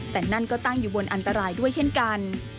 แต่นั่นก็ตั้งอยู่บนอันตรายด้วยเช่นกัน